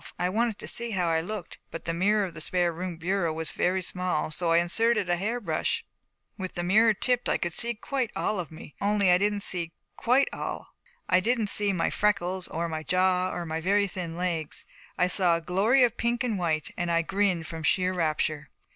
I wanted to see how I looked. But the mirror of the spare room bureau was very small; so I inserted a hair brush. With the mirror tipped I could see quite all of me only I didn't see quite all. I didn't see my freckles, or my jaw, or my very thin legs. I saw a glory of pink and white, and I grinned from sheer rapture.